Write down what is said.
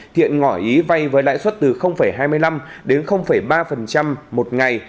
thiện ngỏ ý vay với lãi suất từ hai mươi năm đến ba một ngày